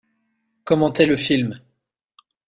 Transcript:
Comment est le film ?